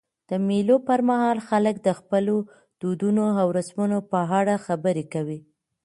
د مېلو پر مهال خلک د خپلو دودونو او رسمونو په اړه خبري کوي.